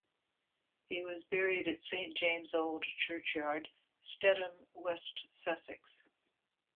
He was buried at Saint James Old Churchyard, Stedham, West Sussex.